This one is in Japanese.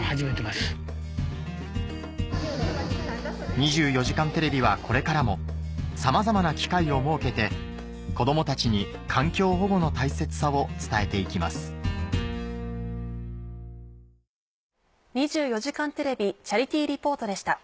『２４時間テレビ』はこれからもさまざまな機会を設けて子どもたちに環境保護の大切さを伝えて行きます「２４時間テレビチャリティー・リポート」でした。